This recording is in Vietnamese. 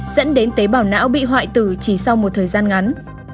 dẫn đến tế bào não bị hoại tử chỉ sau một thời gian ngắn